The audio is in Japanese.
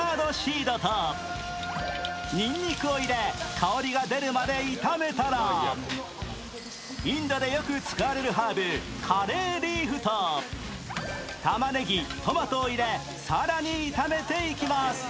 香りが出るまで炒めたらインドでよく使われるハーブ、カレーリーフと玉ねぎ、トマトを入れ更に炒めていきます。